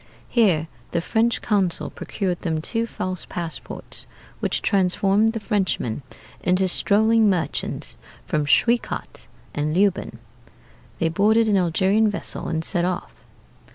Here the French consul procured them two false passports, which transformed the Frenchmen into strolling merchants from Schwekat and Leoben. They boarded an Algerian vessel and set off.